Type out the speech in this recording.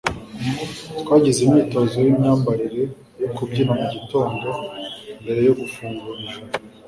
twagize imyitozo yimyambarire yo kubyina mugitondo mbere yo gufungura ijoro